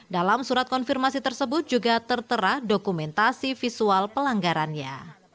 dalam surat konfirmasi tersebut juga tertera dokumentasi visual pelanggarannya